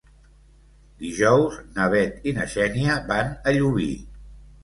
Dijous na Bet i na Xènia van a Llubí.